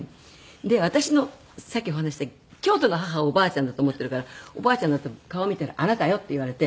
で私のさっきお話しした京都の義母をおばあちゃんだと思っているからおばあちゃんだと思って顔見たら「あなたよ」って言われて。